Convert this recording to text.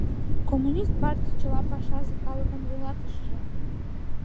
Коммунист партий — чыла пашазе калыкын вуйлатышыже.